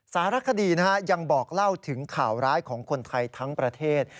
สารคดียังบอกเล่าถึงข่าวร้ายของคนไทยทั้งประเทศ